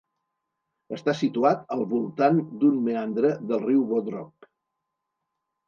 Està situat al voltant d'un meandre del riu Bodrog.